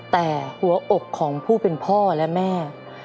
แต่หัวอกของผู้เป็นพ่อและแม่